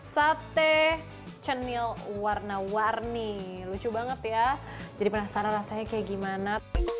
sate cenil warna warni lucu banget ya jadi penasaran rasanya kayak gimana